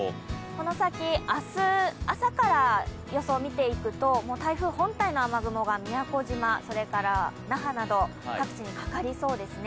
この先、明日朝から予想を見ていくと、台風本体の雨雲が宮古島、それから那覇など各地にかかりそうですね。